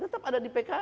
tetap ada di pks